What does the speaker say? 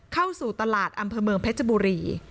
เข้าสู่ตลาดอำเภอเมืองเพชรบุรี